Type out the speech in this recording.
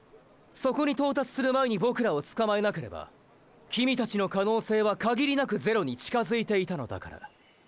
そこに到達する前にボクらをつかまえなければキミたちの可能性は限りなくゼロに近づいていたのだから。